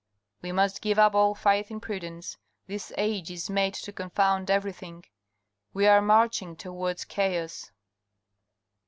" We must give up all faith in prudence. This age is made to confound everything. We are marching towards chaos."